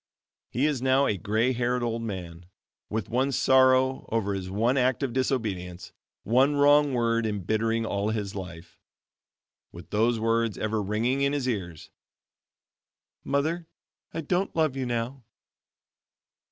He is now a gray haired old man, with one sorrow over his one act of disobedience, one wrong word embittering all his life with those words ever ringing in his ears, "Mother, I don't love you now."